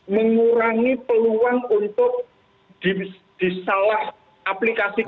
mengurangi peluang untuk disalah aplikasikan